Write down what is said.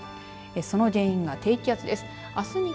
その原因が、低気圧です。